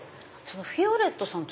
フィオレットさん